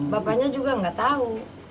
bapaknya juga nggak tahu